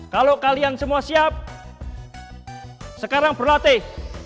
kalau kalian semua siap sekarang berlatih